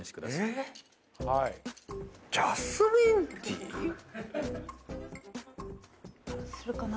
えっ⁉ジャスミンティー⁉するかな？